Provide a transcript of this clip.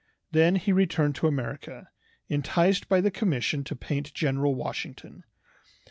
Then he returned to America, enticed by the commission to paint General Washington.